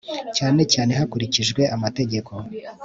cyane cyane hakurikijwe amategeko